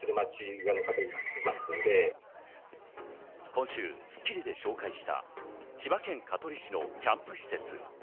今週『スッキリ』で紹介した千葉県香取市のキャンプ施設。